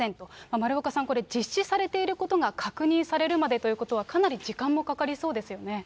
丸岡さん、これ実施されていることが確認されるまでということは、かなり時そうですね。